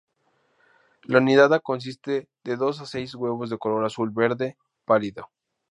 La nidada consiste de dos a seis huevos de color azul-verde pálido.